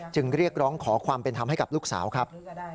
เรียกร้องขอความเป็นธรรมให้กับลูกสาวครับ